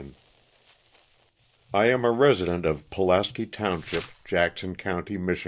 T AM a resident of Pulaski township, Jackson county, Mich.